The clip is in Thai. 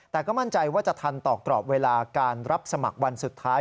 แต่ก็มั่นใจว่าจะทันต่อกรอบเวลาการรับสมัครวันสุดท้าย